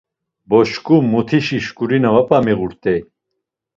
Bo şǩu mutişi şǩurina va p̌a miğurt̆ey.